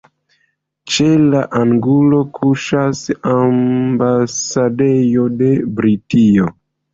Ĉe la angulo kuŝas ambasadejo de Britio.